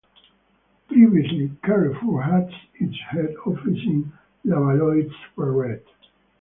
Previously, Carrefour had its head office in Levallois-Perret.